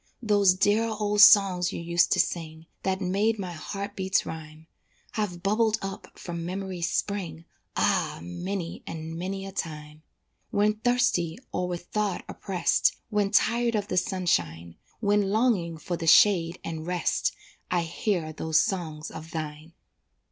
Those dear old songs you used to sing, That made my heart beats rhyme, Have bubbled up from memory's spring, Ah! many and many a time. When thirsty or with thought oppressed, When tired of the sunshine, When longing for the shade and rest, I hear those songs of thine.